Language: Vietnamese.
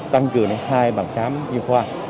tăng cường đến hai bàn khám chương khoa